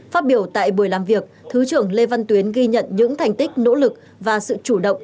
phát biểu tại buổi làm việc thứ trưởng lê văn tuyến ghi nhận những thành tích nỗ lực và sự chủ động